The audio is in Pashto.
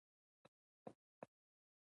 ماشومان بې پاملرنې نه پاتې کېږي.